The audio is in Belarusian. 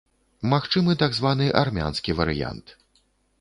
Магчымы так званы армянскі варыянт.